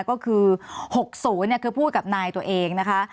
ก็คือหกศูนย์คือพูดกับนายตัวเองนะคะ